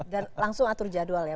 dan langsung atur jadwal ya